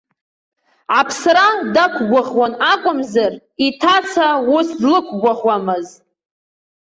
Аԥсра дақәгәыӷуан акәымзар, иҭаца ус длықәгәыӷуамызт.